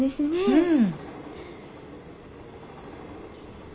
うん。